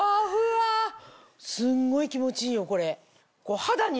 すごい気持ちいいよこれ。